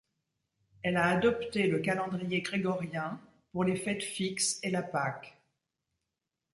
Elle a adopté le calendrier grégorien, pour les fêtes fixes et la Pâque.